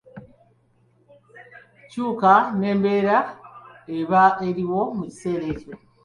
Kyuka n’embeera eba eriwo mu kiseera ekyo.